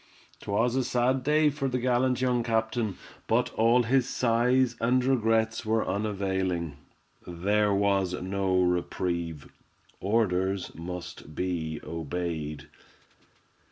'Twas a sad day for the gallant young captain, but all his sighs and regrets were unavailing. There was no reprieve—orders must be obeyed.